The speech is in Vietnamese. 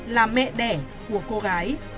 là mẹ đẻ của cô gái